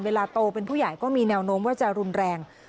โตเป็นผู้ใหญ่ก็มีแนวโน้มว่าจะรุนแรง